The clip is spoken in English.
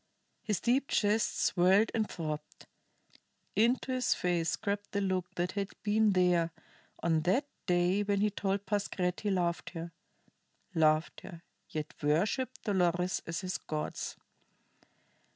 His deep chest swelled and throbbed; into his face crept the look that had been there on that day when he told Pascherette he loved her loved her, yet worshiped Dolores as his gods.